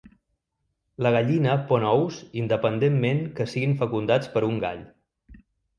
La gallina pon ous independentment que siguin fecundats per un gall.